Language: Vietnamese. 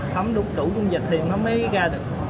thấm đúng chủ dung dịch thì nó mới ra được